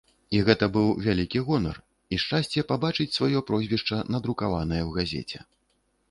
І гэта быў вялікі гонар, і шчасце пабачыць сваё прозвішча, надрукаванае ў газеце.